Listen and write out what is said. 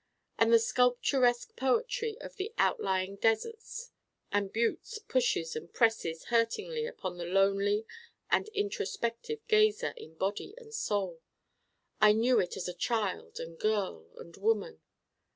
And the sculpturesque poetry of the outlying deserts and buttes pushes and presses hurtingly upon the lonely and introspective gazer in Body and Soul: I knew it as child and girl and woman.